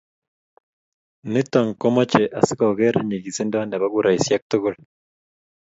Nito komache asikoker nyikisindo nebo kuraisiek tukul